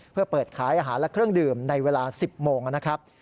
เพื่อเปิดขายอาหารและเครื่องดื่มในเวลา๑๐โมงนะครับ